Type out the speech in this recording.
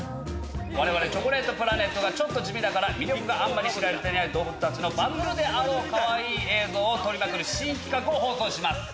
我々、チョコレートプラネットがちょっと地味だから魅力があまり知られていない動物のバズるであろう、かわいい映像を撮りまくる新企画を放送します。